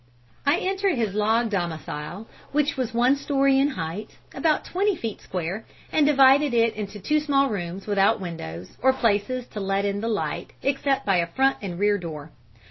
"I entered his log domicile which was one story in height, about twenty feet square and divided into two small rooms without windows or places to let in the light except by a front and rear door.